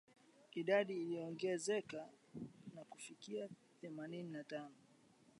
idadi iliyoongezeka na kufikia thelathini na tano